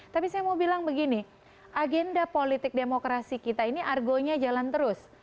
tapi saya mau bilang begini agenda politik demokrasi kita ini argonya jalan terus